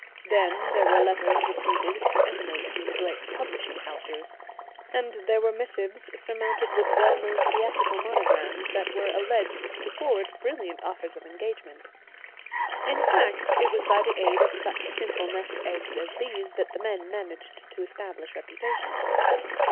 Then there were letters reputed to emanate from the great publishing houses, and there were missives surmounted with well known theatrical monograms that were alleged to forward brilliant offers of engagements. In fact it was by the aid of such simple nest eggs as these that the men managed to establish reputations.